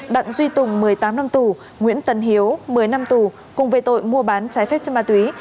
đặng duy tùng một mươi tám năm tù nguyễn tân hiếu một mươi năm tù cùng về tội mua bán trái phép chất ma túy